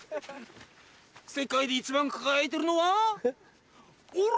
世界で一番輝いてるのはオレ！